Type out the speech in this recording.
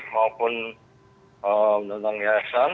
maupun undang undang iai